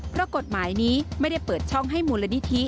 เพราะกฎหมายนี้ไม่ได้เปิดช่องให้มูลนิธิ